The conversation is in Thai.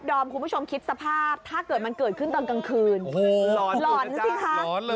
ดอมคุณผู้ชมคิดสภาพถ้าเกิดมันเกิดขึ้นตอนกลางคืนโอ้โหหลอนสิคะหลอนเลย